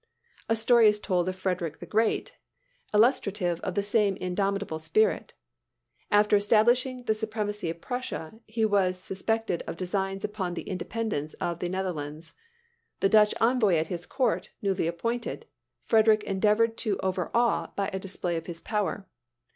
A story is told of Frederick the Great, illustrative of the same indomitable spirit. After establishing the supremacy of Prussia, he was suspected of designs upon the independence of the Netherlands. The Dutch envoy at his court, newly appointed, Frederick endeavored to overawe by a display of his power.